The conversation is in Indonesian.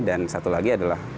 dan satu lagi adalah